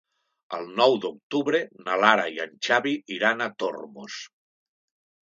El nou d'octubre na Lara i en Xavi iran a Tormos.